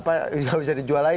tapi gak bisa dijual lagi